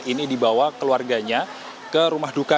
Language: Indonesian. ini dibawa keluarganya ke rumah duka